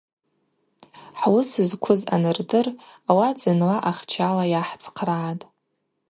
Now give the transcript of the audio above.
Хӏуыс зквыз анырдыр ауат зынла ахчала йгӏахӏцхърагӏатӏ.